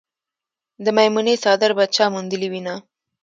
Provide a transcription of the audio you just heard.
د میمونې څادر به چا موندلې وينه